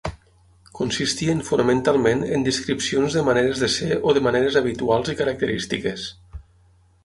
Consistien fonamentalment en descripcions de maneres de ser o de maneres habituals i característiques.